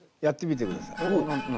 やってみて下さい。